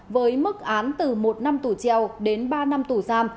với mức án từ một năm tù treo đến ba năm tù giam